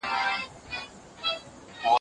کالي وچ کړه؟!